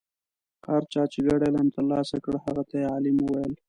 هر چا چې ګډ علم ترلاسه کړ هغه ته یې عالم ویل.